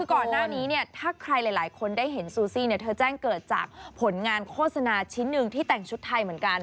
คือก่อนหน้านี้เนี่ยถ้าใครหลายคนได้เห็นซูซี่เนี่ยเธอแจ้งเกิดจากผลงานโฆษณาชิ้นหนึ่งที่แต่งชุดไทยเหมือนกัน